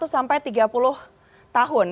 dua puluh sampai tiga puluh tahun